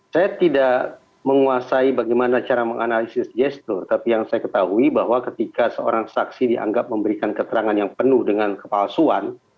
saya tidak menguasai bagaimana cara menganalisis gestur tapi yang saya ketahui bahwa ketika seorang saksi dianggap memberikan keterangan yang penuh dengan kepalsuan